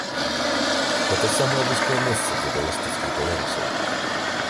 Гэта самае вузкае месца для беластоцкіх беларусаў.